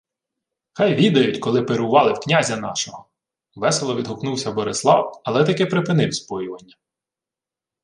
— Хай відають, коли пирували в князя нашого! — весело відгукнувся Борислав, але таки припинив споювання.